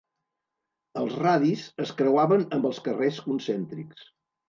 Els radis es creuaven amb els carrers concèntrics.